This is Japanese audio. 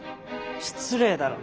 失礼だろ。